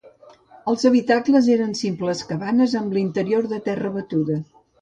Els habitacles eren simples cabanes amb l'interior de terra batuda.